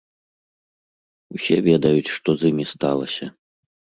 Усе ведаюць, што з імі сталася.